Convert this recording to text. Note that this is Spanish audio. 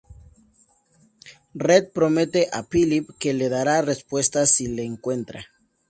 Red promete a Philip que le dará respuestas si le encuentra.